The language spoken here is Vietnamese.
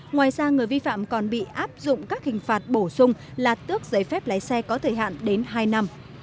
ngoài ra người vi phạm còn bị áp dụng các hình phạt bổ sung là tước giấy phép lái xe có thời hạn đến hai năm